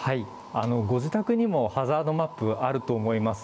ご自宅にもハザードマップ、あると思います。